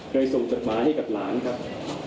เคยส่งจดหมายให้กับหลานครับ